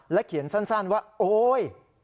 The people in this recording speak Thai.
เขียนสั้นว่าโอ๊ย